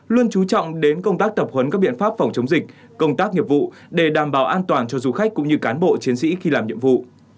luôn chú trọng đến công tác tập huấn các biện pháp phòng chống dịch công tác nghiệp vụ để đảm bảo an toàn cho du khách cũng như cán bộ chiến sĩ khi làm nhiệm vụ